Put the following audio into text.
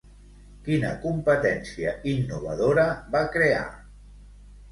Quina competència innovadora va crear?